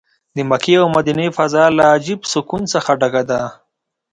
د مکې او مدینې فضا له عجب سکون څه ډکه ده.